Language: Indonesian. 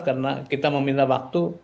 karena kita meminta waktu